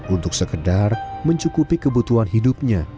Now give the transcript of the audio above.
untuk sekedar mencukupi kebutuhan hidupnya